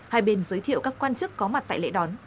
hai bên giới thiệu các quan chức có mặt tại lễ đón